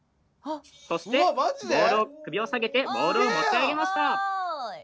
そしてボールを首を下げてボールを持ち上げました。